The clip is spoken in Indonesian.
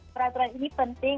peraturan ini penting